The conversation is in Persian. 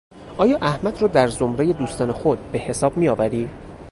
آیا احمد را در زمرهی دوستان خود به حساب میآوری؟